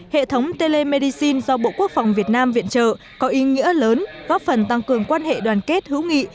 hệ thống telemedicine do bộ quốc phòng việt nam viện trợ có ý nghĩa lớn góp phần tăng cường quan hệ đoàn kết hữu nghị